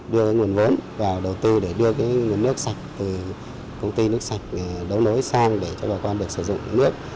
đưa cái nguồn vốn vào đầu tư để đưa cái nguồn nước sạch từ công ty nước sạch đấu nối sang để cho bà con được sử dụng nước